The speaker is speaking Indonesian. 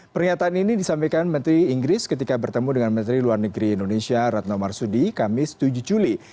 pernyataan ini disampaikan menteri inggris ketika bertemu dengan menteri luar negeri indonesia ratna marsudi kamis tujuh juli